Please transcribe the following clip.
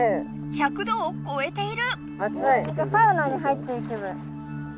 １００どをこえている！